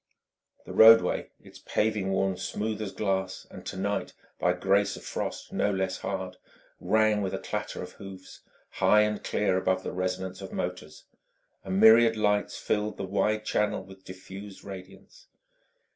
The roadway, its paving worn as smooth as glass, and tonight by grace of frost no less hard, rang with a clatter of hoofs high and clear above the resonance of motors. A myriad lights filled the wide channel with diffused radiance.